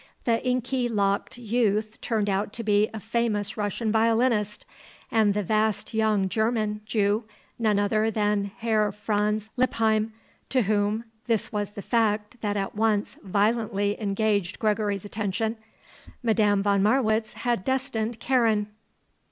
The inky locked youth turned out to be a famous Russian violinist, and the vast young German Jew none other than Herr Franz Lippheim, to whom this was the fact that at once, violently, engaged Gregory's attention Madame von Marwitz had destined Karen.